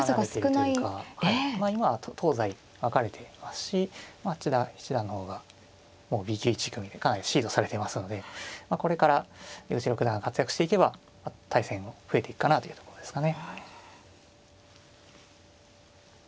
離れているというか今は東西分かれていますし千田七段の方がもうＢ級１組でかなりシードされていますのでまあこれから出口六段が活躍していけば対戦も増えていくかなというところですかね。